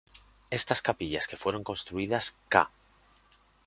Estas capillas, que fueron construidas ca.